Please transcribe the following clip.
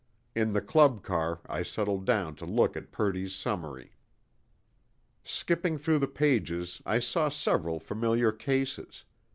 In the club car, I settled down to look at Purdy's summary. Skipping through the pages, I saw several familiar cases.